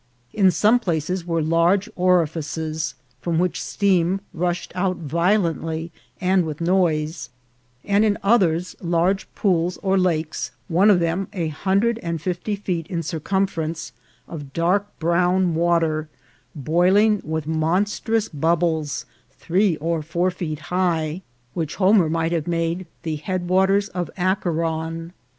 In some places were large orifices, from which steam rushed out violently and with noise, and in others large pools or lakes, one of them a hundred and fifty feet in circumference, of dark brown water, boiling with monstrous bubbles three or four feet high, which Homer might have made the head waters of Acheron.